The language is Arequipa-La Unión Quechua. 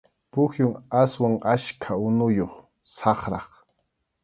Pukyum aswan achka unuyuq, saqrap.